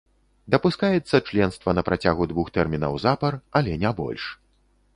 Дапускаецца членства на працягу двух тэрмінаў запар, але не больш.